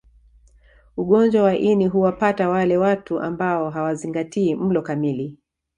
Ugonjwa wa ini huwapata wale watu ambao hawazingatii mlo kamili